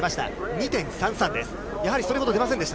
２．３３です。